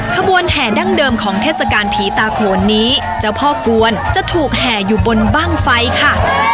ขบวนแห่ดั้งเดิมของเทศกาลผีตาโขนนี้เจ้าพ่อกวนจะถูกแห่อยู่บนบ้างไฟค่ะ